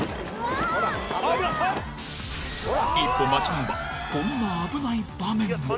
一歩間違えばこんな危ない場面も。